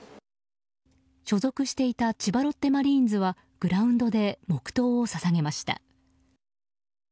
所属していた千葉ロッテマリーンズはグラウンドで黙祷を捧げました。